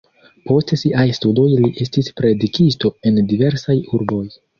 Post siaj studoj li estis predikisto en diversaj urboj.